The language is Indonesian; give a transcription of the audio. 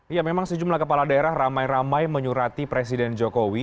ya memang sejumlah kepala daerah ramai ramai menyurati presiden jokowi